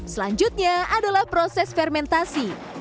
selanjutnya adalah proses fermentasi